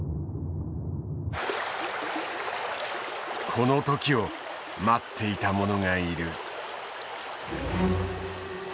この時を待っていたものがいる。